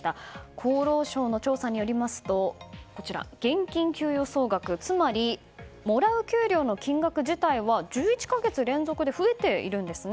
厚労省の調査によりますと現金給与総額つまり、もらう給料の金額自体は１１か月連続で増えているんですね。